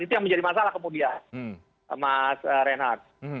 itu yang menjadi masalah kemudian mas reinhardt